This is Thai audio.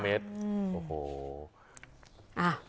เมตรโอ้โห